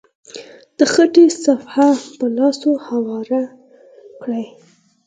د خټې صفحه په لاسو هواره کړئ.